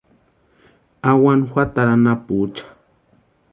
Awani juatarhu anapucha.